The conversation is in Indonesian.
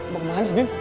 mau kemana sih bin